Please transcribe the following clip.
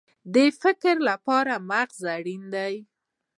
د فکر لپاره مغز اړین دی